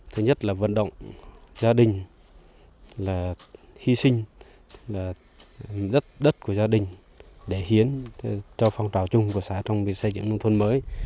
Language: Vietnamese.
thứ nhất là vận động gia đình là hy sinh đất của gia đình để hiến cho phong trào chung của xã trong xây dựng nông thôn mới